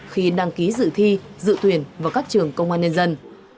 khi đăng ký dự thi dự tuyển vào các trường công an nhân dân